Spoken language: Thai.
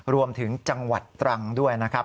รวมถึงจังหวัดตรังด้วยนะครับ